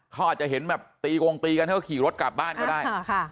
เขาอาจจะเห็นแบบตีกงตีกันเขาก็ขี่รถกลับบ้านก็ได้